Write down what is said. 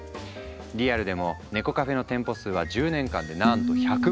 リアルでも猫カフェの店舗数は１０年間でなんと１００倍に。